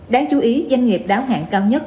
đáng chú ý doanh nghiệp đáo hạn cao nhất